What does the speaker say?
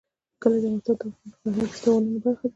کلي د افغانستان د فرهنګي فستیوالونو برخه ده.